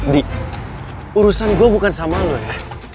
di urusan gue bukan sama lo ya